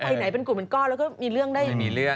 เพราะว่าตอนนี้ก็ไม่มีใครไปข่มครูฆ่า